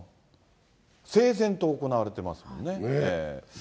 整然と行われてますもんね。